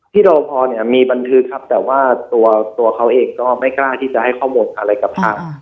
รอพอเนี่ยมีบันทึกครับแต่ว่าตัวเขาเองก็ไม่กล้าที่จะให้ข้อมูลอะไรกับทาง